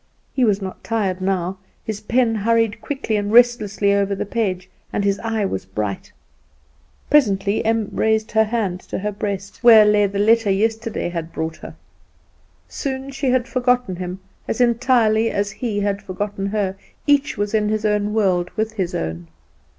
He was not tired now; his pen hurried quickly and restlessly over the paper, and his eye was bright. Presently Em raised her hand to her breast, where lay the letter yesterday had brought her. Soon she had forgotten him, as entirely as he had forgotten her; each was in his own world with his own.